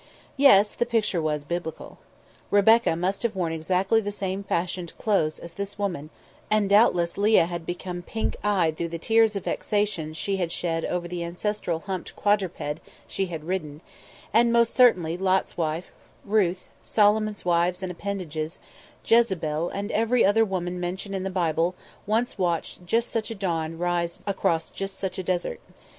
Yes; the picture was biblical. Rebecca must have worn exactly the same fashioned clothes as this woman, and doubtless Leah had become pink eyed through the tears of vexation she had shed over the ancestral humped quadruped she had ridden; and most certainly Lot's wife, Ruth, Solomon's wives and appendages, Jezebel, and every other woman mentioned in the Bible once watched just such a dawn rise across just such a desert.